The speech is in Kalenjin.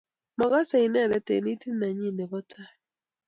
Magase inendet eng itit nenyi nebo tai